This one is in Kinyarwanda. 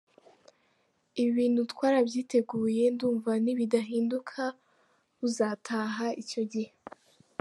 Ibi bintu twarabyiteguye, ndumva nibidahinduka buzataha icyo gihe.